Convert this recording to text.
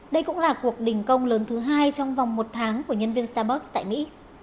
đây cũng là cuộc đình công lớn thứ hai trong vòng một tháng của nhân viên starbus tại mỹ